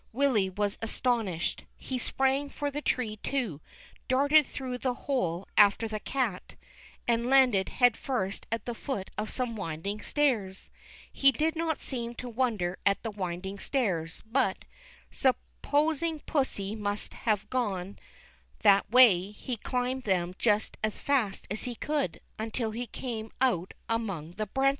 Willy was astonished. He sprang for the tree too, darted through the hole after the cat, and landed THE KING CAT, 357 head first at the foot of some winding stairs. He did not seem to wonder at the winding stairs, but, sup HE COULD COUNT TWENTY FOUR OP THEM." posing pussy must have gone that way, he climberl them just as fast as he could, until he came out among the branches.